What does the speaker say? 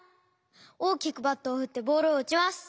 おおきくバットをふってボールをうちます。